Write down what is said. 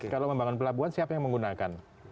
kalau membangun pelabuhan siapa yang menggunakan